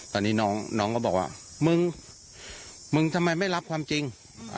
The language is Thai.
ตอนนี้น้องน้องก็บอกว่ามึงมึงทำไมไม่รับความจริง